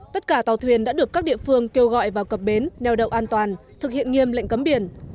tất cả tàu thuyền đã được các địa phương kêu gọi vào cập bến neo đậu an toàn thực hiện nghiêm lệnh cấm biển